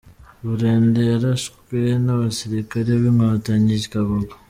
Burende yarashwe n’abasirikari b’Inkotanyi i Kagugu.